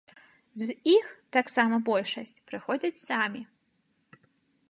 З іх таксама большасць прыходзяць самі.